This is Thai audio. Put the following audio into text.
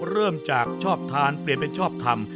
เริ่มจากชอบทานเปลี่ยนเป็นชอบทำ